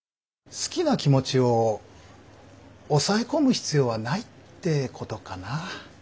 好きな気持ちを抑え込む必要はないってことかな。